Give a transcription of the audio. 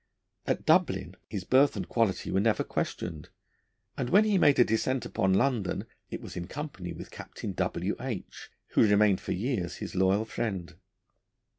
At Dublin his birth and quality were never questioned, and when he made a descent upon London it was in company with Captain W. H n, who remained for years his loyal friend.